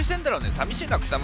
さみしいな草村。